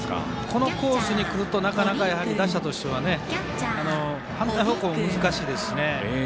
このコースにくるとなかなか打者としては反対方向、難しいですしね。